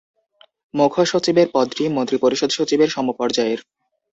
মুখ্য সচিবের পদটি মন্ত্রিপরিষদ সচিবের সমপর্যায়ের।